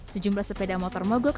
sejumlah sepeda motor mogok